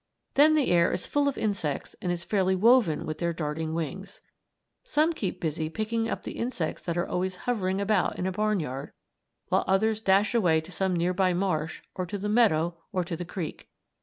Then the air is full of insects and is fairly woven with their darting wings. Some keep busy picking up the insects that are always hovering about in a barnyard, while others dash away to some near by marsh or to the meadow or to the creek.